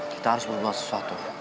kita harus berbuat sesuatu